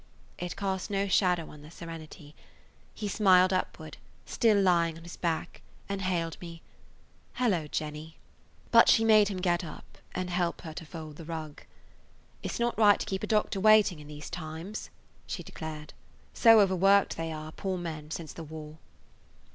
It cast no shadow on their serenity. He smiled upward, still lying on his back, and hailed me, "Hallo, Jenny." But she made him get up and help her to fold the rug. "It 's not right to keep a doctor waiting in these times," she declared, "so over worked they are, poor men, since the war."